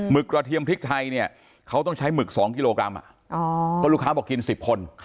กระเทียมพริกไทยเนี่ยเขาต้องใช้หมึก๒กิโลกรัมเพราะลูกค้าบอกกิน๑๐คน